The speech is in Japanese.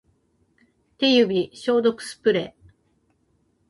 手指消毒スプレー